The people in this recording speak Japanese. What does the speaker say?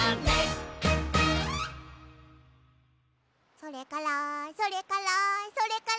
「それからそれからそれから」